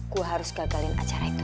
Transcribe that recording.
gue harus gagalin acara itu